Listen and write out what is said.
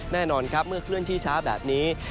แน่นอนครับเมื่อเคลื่อนที่ช้าแบบนี้